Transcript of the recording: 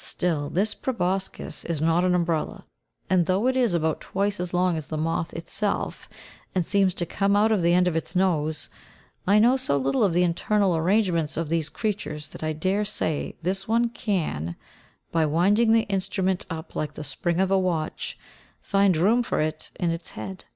Still this proboscis is not an umbrella, and though it is about twice as long as the moth itself, and seems to come out of the end of its nose, I know so little of the internal arrangements of these creatures that I dare say this one can, by winding the instrument up like the spring of a watch, find room for it in its head.